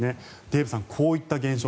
デーブさん、こういった現象